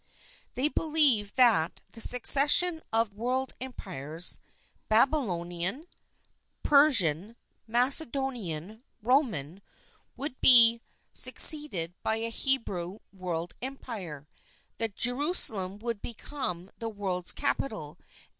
They believed that the J succession of world Empires Babylonian, Per ; sian, Macedonian, Roman would be suc ;.' INTRODUCTION ceeded by a Hebrew world Empire ; that Jeru salem would become the world's capital, and '0.